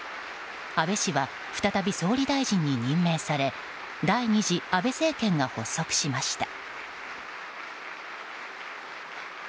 安倍氏は再び総理大臣に任命され第２次安倍政権が発足しました。